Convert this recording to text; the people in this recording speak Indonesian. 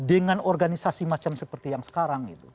dengan organisasi macam seperti yang sekarang